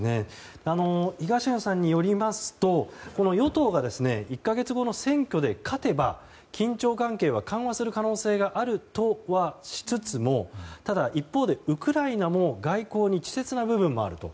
東野さんによりますと与党は１か月後の選挙で勝てば緊張関係は緩和する可能性があるとはしつつもただ、一方でウクライナも外交に稚拙な部分があると。